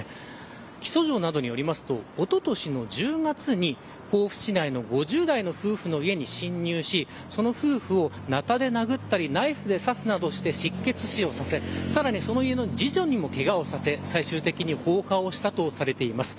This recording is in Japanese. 起訴状などによりますとおととしの１０月に甲府市内の５０代の夫婦の家に侵入しその夫婦をなたで殴ったりナイフで刺すなどして失血死をさせさらにその家の次女にもけがをさせ、最終的に放火をしたとされています。